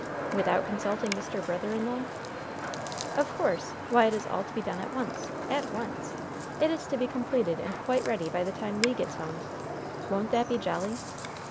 "Without consulting Mr. Brother in law?" "Of course! Why, it is all to be done at once at once! It is to be completed and quite ready by the time Le gets home! Won't that be jolly?